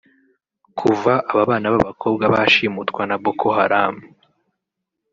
Kuva aba bana b’abakobwa bashimutwa na Boko Haram